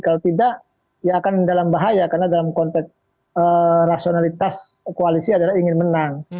kalau tidak ya akan dalam bahaya karena dalam konteks rasionalitas koalisi adalah ingin menang